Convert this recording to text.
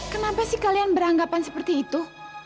kenapa sih kalian beranggapan seperti itu